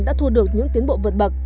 đã thua được những tiến bộ vượt bậc